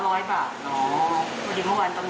คุณเวิร์ดอ๋อสวัสดีครับใครก็พบไฟนก